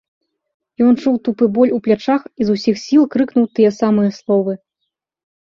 Ён чуў тупы боль у плячах і з усіх сіл крыкнуў тыя самыя словы.